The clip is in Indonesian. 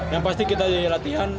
yang pasti kita di latihan